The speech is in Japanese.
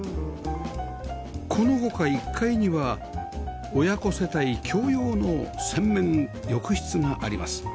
この他１階には親子世帯共用の洗面浴室があります